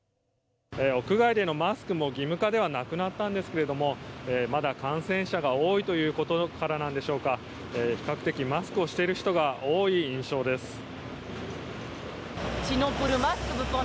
屋外でのマスクも義務化ではなくなったんですけどまだ感染者が多いということからでしょうか比較的マスクをしている人が多い印象です。